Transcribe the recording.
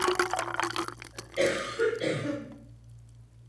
Mezi juniory byl tuto sezónu nejproduktivnějším hráčem svého týmu.